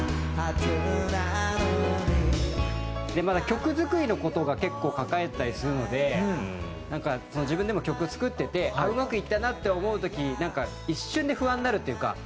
曲作りの事が結構書かれてたりするので自分でも曲を作っててうまくいったなって思う時一瞬で不安になるというか。